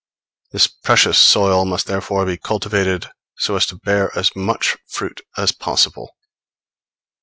This precious soil must therefore be cultivated so as to bear as much fruit as possible.